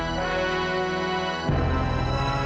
kamu bisa melanjutkan diri sendiri